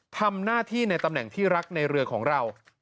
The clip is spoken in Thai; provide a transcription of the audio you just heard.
ทำหน้าที่ในตำแหน่งที่รักในเรือของเรา